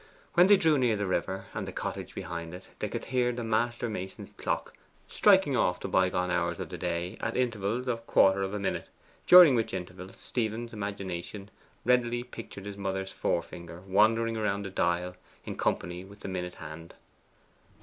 When they drew near the river, and the cottage behind it, they could hear the master mason's clock striking off the bygone hours of the day at intervals of a quarter of a minute, during which intervals Stephen's imagination readily pictured his mother's forefinger wandering round the dial in company with the minute hand.